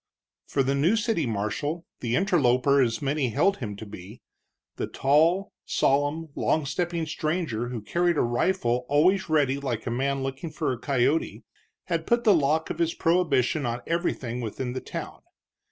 For the new city marshal, the interloper as many held him to be, the tall, solemn, long stepping stranger who carried a rifle always ready like a man looking for a coyote, had put the lock of his prohibition on everything within the town.